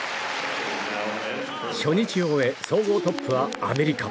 初日を終え総合トップはアメリカ。